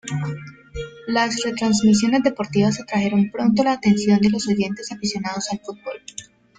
Las retransmisiones deportivas atrajeron pronto la atención de los oyentes aficionados al fútbol.